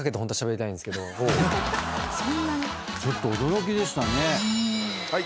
そんなに⁉ちょっと驚きでしたね。